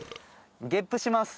ゲップします。